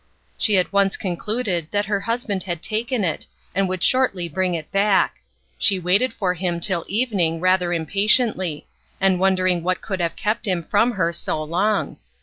She at once concluded that her husband had taken it and would shortly bring it back. She waited for him till evening rather impatiently, and wondering what could have kept him from her so long.